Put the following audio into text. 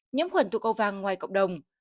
nhiễm khuẩn tụ cầu vàng ngoài cộng đồng